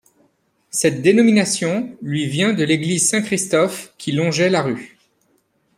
Cette dénomination lui vient de l'église Saint-Christophe que longeait la rue.